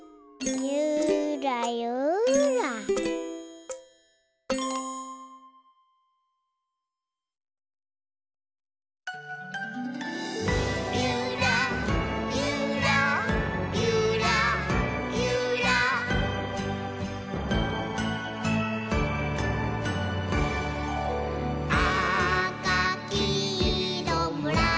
「ゆらゆらゆらゆら」「あかきいろむらさきしろ」